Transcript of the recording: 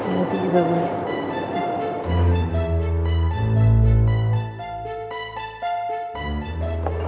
ini juga boleh